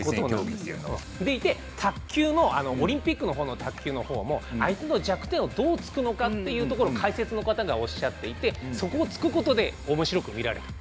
でいて、オリンピックの卓球のほうも相手の弱点をどうつくのかを解説の方がおっしゃっていてそこをつくことでおもしろく見られる。